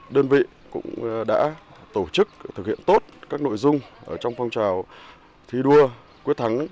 đơn vị cũng đã tổ chức thực hiện tốt các nội dung trong phong trào thi đua quyết thắng